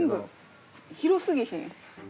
広すぎひん？